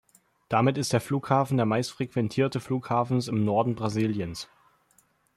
Damit ist der Flughafen der meistfrequentierte Flughafens im Norden Brasiliens.